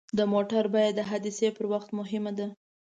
د موټر بیمه د حادثې پر وخت مهمه ده.